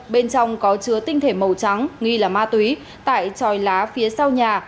bên trong có chứa tinh thể màu trắng nghi là ma túy tại tròi lá phía sau nhà